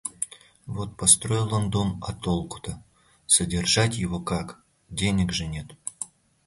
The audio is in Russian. Вот построил он дом, а толку-то? Содержать его как, денег же нет.